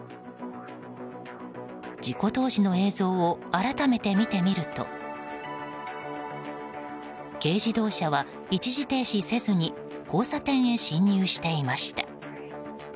事故当時の映像を改めて見てみると軽自動車は一時停止せずに交差点に進入していました。